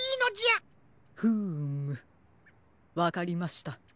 フームわかりました。